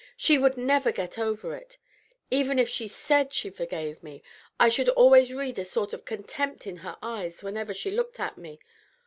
She would never get over it. Even if she said she forgave me, I should always read a sort of contempt in her eyes whenever she looked at me.